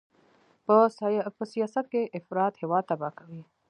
په سیاست کې افراط هېواد تباه کوي.